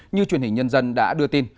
như truyền hình nhân dân đã đưa tin